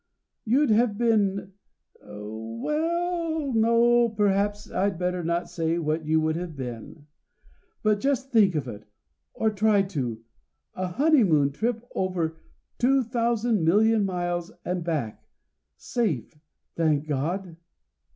You'd have been well no, perhaps I'd better not say what you would have been. But just think of it, or try to A honeymoon trip of over two thousand million miles, and back safe thank God!"